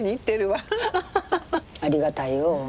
ありがたいよ。